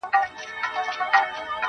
همېشه یې وې په شاتو نازولي -